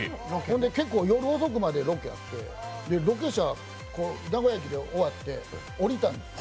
結構、夜遅くまでロケあって、ロケ車、名古屋駅で終わって降りたんですよ